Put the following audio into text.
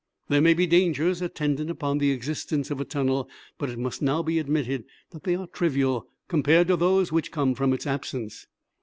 There may be dangers attendant upon the existence of a tunnel, but it must now be admitted that they are trivial compared to those which come from its absence.